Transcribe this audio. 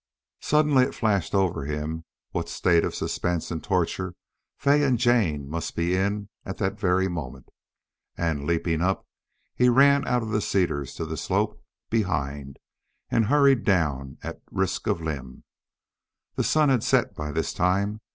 Suddenly it flashed over him what state of suspense and torture Fay and Jane must be in at that very moment. And, leaping up, he ran out of the cedars to the slope behind and hurried down at risk of limb. The sun had set by this time.